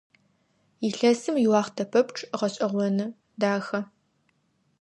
Илъэсым иуахътэ пэпчъ гъэшӀэгъоны, дахэ.